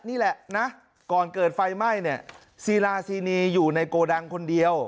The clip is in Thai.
นี่แหละนะก่อนเกิดไฟไหม้เนี่ยซีลาซีนีอยู่ในโกดังคนเดียว